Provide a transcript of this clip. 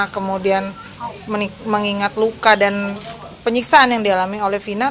kemudian mengingat luka dan penyiksaan yang dialami oleh vina